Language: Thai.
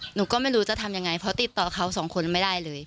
หนูก็ไม่รู้จะทำยังไงเพราะติดต่อเขาสองคนไม่ได้เลย